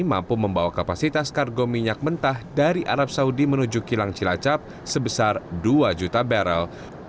mampu membawa kapasitas kargo minyak mentah dari arab saudi menuju kilang cilacap sebesar dua juta barrel